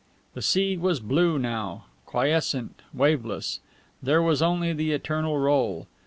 The sea was blue now, quiescent, waveless; there was only the eternal roll.